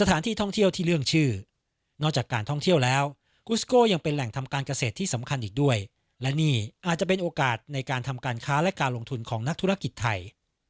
อาจจะเป็นโอกาสในการทำการค้าและการลงทุนของนักธุรกิจไทย